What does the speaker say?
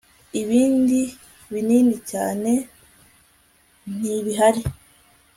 ibindi binini cyane ntabihari